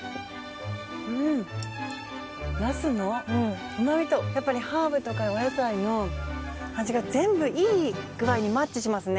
ナスのうまみとやっぱりハーブとかお野菜の味が全部いい具合にマッチしますね。